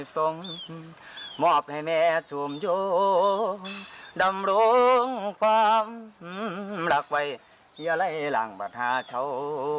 สำรวงความรักไว้อย่าไล่หลังบัทธาเจ้า